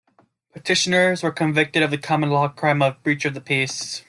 Petitioners were convicted of the common law crime of breach of the peace.